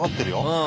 うん。